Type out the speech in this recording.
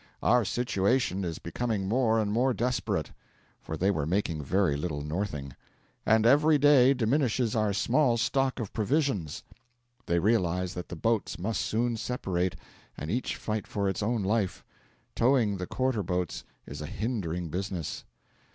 'Our situation is becoming more and more desperate,' for they were making very little northing 'and every day diminishes our small stock of provisions.' They realise that the boats must soon separate, and each fight for its own life. Towing the quarter boats is a hindering business.